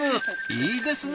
いいですね